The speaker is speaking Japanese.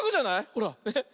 ほらね。